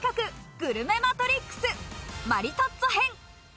グルメマトリックス、マリトッツォ編。